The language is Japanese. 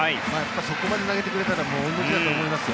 そこまで投げてくれたら御の字だと思いますよ。